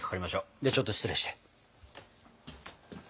ではちょっと失礼して。